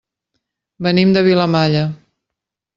Venim de Vilamalla.